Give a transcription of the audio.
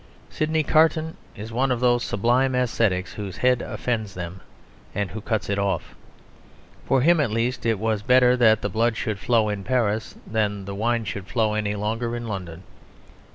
Sidney Carton is one of those sublime ascetics whose head offends them, and who cut it off. For him at least it was better that the blood should flow in Paris than that the wine should flow any longer in London.